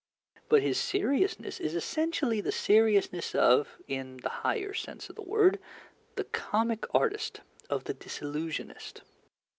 But his seriousness is essentially the seriousness of (in the higher sense of the word) the comic artist, of the disillusionist.